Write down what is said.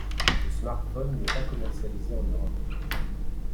Ce smartphone n'est pas commercialisé en Europe.